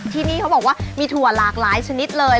ที่นี่เขาบอกว่ามีถั่วหลากหลายชนิดเลย